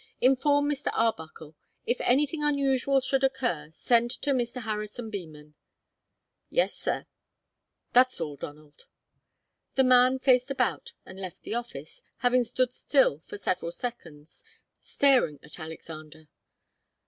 "Inform Mr. Arbuckle. If anything unusual should occur, send to Mr. Harrison Beman." "Yes, sir." "That's all, Donald." The man faced about and left the office, having stood still for several seconds, staring at Alexander.